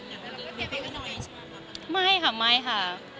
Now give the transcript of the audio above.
มีเป็นอุณหัวใช่ไหมคะ